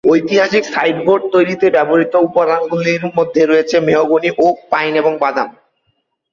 ঐতিহাসিক সাইডবোর্ড তৈরিতে ব্যবহৃত উপাদানগুলোর মধ্যে রয়েছে মেহগনি, ওক, পাইন এবং বাদাম।